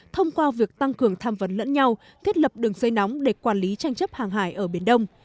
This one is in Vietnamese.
thông qua việc tăng cường tham vấn lẫn nhau thiết lập đường dây nóng để quản lý tranh chấp hàng hải ở biển đông